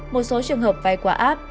một số trường hợp vay quá áp